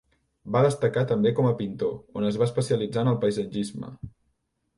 Va destacar també com a pintor, on es va especialitzar en el paisatgisme.